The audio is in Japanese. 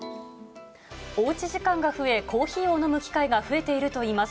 おうち時間が増え、コーヒーを飲む機会が増えているといいます。